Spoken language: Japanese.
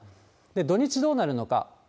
土日、どうなるのか。